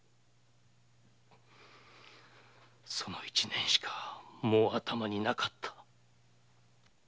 その一念しかもう頭になかった。